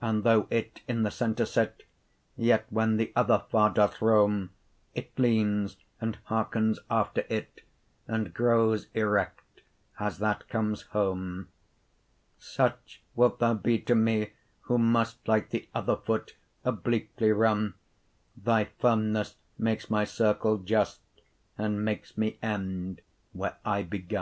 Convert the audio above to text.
And though it in the center sit, Yet when the other far doth rome, 30 It leanes, and hearkens after it, And growes erect, as that comes home. Such wilt thou be to mee, who must Like th'other foot, obliquely runne; Thy firmnes makes my circle just, And makes me end, where I begunne.